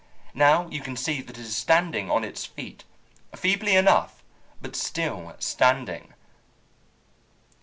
Now you can see that it is standing on its feet, feebly enough, but still standing.